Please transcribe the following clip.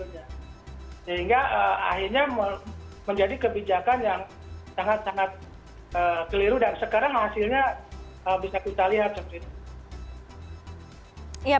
sehingga akhirnya menjadi kebijakan yang sangat sangat keliru dan sekarang hasilnya bisa kita lihat seperti itu